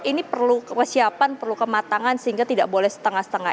ini perlu kesiapan perlu kematangan sehingga tidak boleh setengah setengah